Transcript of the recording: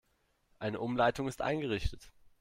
Eine Umleitung ist eingerichtet.